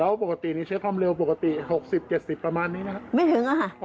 แล้วปกตินี่ใช้คล่ำเร็วปกติ๖๐๗๐ประมาณนี้ไหม